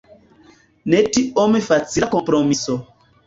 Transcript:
Ne tiom facila kompromiso.